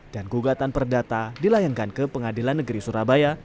dan gugatan perdata dilayankan ke pengadilan negeri surabaya